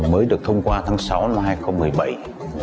mới được thông qua tháng sáu năm hai nghìn một mươi bảy